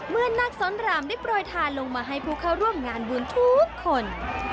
นักซ้อนรามได้โปรยทานลงมาให้ผู้เข้าร่วมงานบุญทุกคน